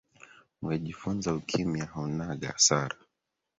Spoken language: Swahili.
Ungejifunza ukimya, haunanga hasara